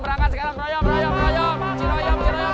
berangkat sekarang rayam rayam rayam